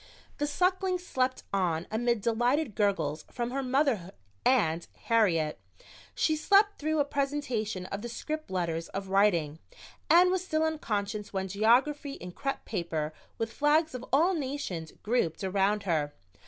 The Suckling slept on amid delighted gurgles from her mother and Harriet. She slept through a presentation of the script letters of "Writing" and was still unconscious when "Geography" in crepe paper, with flags of all nations, grouped around her.